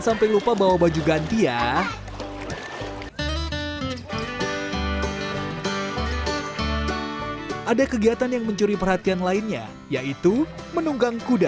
sampai lupa bawa baju ganti ya ada kegiatan yang mencuri perhatian lainnya yaitu menunggang kuda